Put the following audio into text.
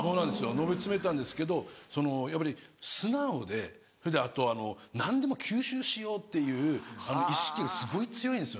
上り詰めたんですけどやっぱり素直でそれであと何でも吸収しようっていう意識がすごい強いんですよね。